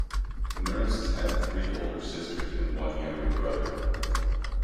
Nernst had three older sisters and one younger brother.